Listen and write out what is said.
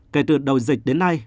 kể từ đầu dịch đến nay